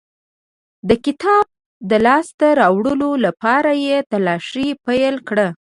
د کتاب د لاسته راوړلو لپاره یې تلاښ پیل کړ.